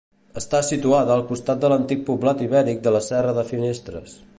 Està situada al costat de l'antic poblat ibèric de la Serra de Finestres.